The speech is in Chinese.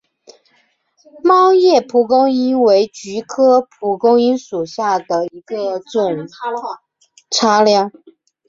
毛叶蒲公英为菊科蒲公英属下的一个种。